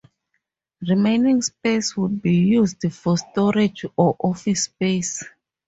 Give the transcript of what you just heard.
Remaining space would be used for storage or office space.